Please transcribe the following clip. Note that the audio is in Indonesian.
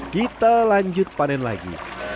kita lanjut panen lagi